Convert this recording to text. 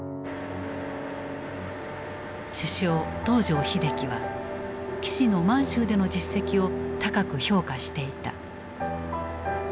首相東條英機は岸の満州での実績を高く評価していた。